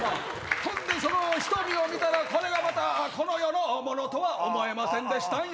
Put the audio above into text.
ほんでその光を見たらこれがまたこの世のものとは思えませんでしたんや。